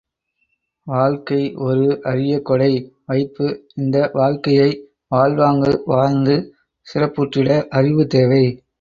வாழ்க்கை ஒரு அரியகொடை வைப்பு இந்த வாழ்க்கையை வாழ்வாங்கு வாழ்ந்து சிறப்புற்றிட அறிவு தேவை.